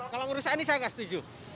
kalau merusak ini saya gak setuju